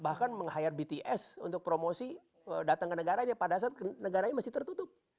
bahkan meng hire bts untuk promosi datang ke negaranya pada saat negaranya masih tertutup